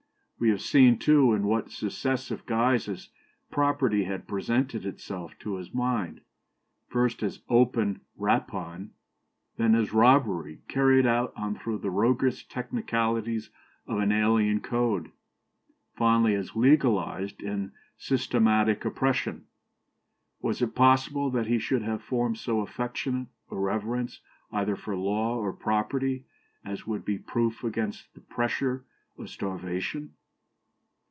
We have seen, too, in what successive guises property had presented itself to his mind: first as open rapine; then as robbery carried on through the roguish technicalities of an alien code; finally as legalized and systematic oppression. Was it possible that he should have formed so affectionate a reverence either for law or property as would be proof against the pressure of starvation?"